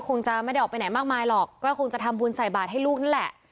คงจะไม่ได้ออกไปไหนมากมายหรอกก็คงจะทำบุญใส่บาทให้ลูกนั่นแหละ